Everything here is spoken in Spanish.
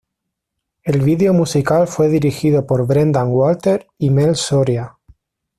El vídeo musical fue dirigido por Brendan Walter y Mel Soria.